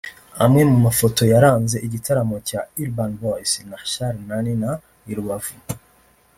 Amwe mu mafoto yaranze igitaramo cya Urban Boys na Charly na Nina i Rubavu